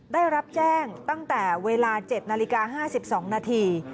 ได้รับแจ้งตั้งแต่เวลา๗นาฬิกา๕๒นาที